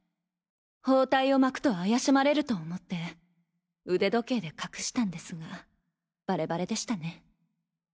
包帯を巻くと怪しまれると思って腕時計で隠したんですがバレバレでしたね。